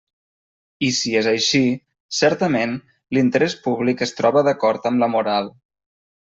I si és així, certament, l'interès públic es troba d'acord amb la moral.